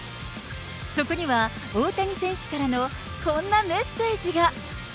そこには大谷選手からのこんなメッセージが。